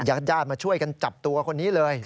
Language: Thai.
ญาติญาติมาช่วยกันจับตัวคนนี้เลย